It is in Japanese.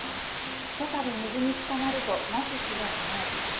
ひとたび水に捕まるとなすすべがない。